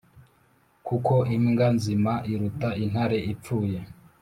kuko imbwa nzima iruta intare ipfuye